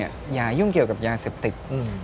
อย่ายุ่งเกี่ยวกับยาเสพติด